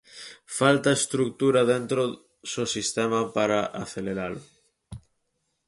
Falta estrutura dentro só sistema para aceleralo.